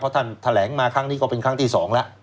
ท่านแถลงมาครั้งนี้ก็เป็นครั้งที่๒แล้ว